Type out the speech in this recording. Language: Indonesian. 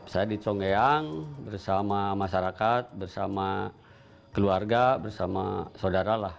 saya di congeyang bersama masyarakat bersama keluarga bersama saudara lah